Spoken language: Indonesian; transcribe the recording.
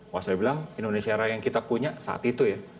wah saya bilang indonesia raya yang kita punya saat itu ya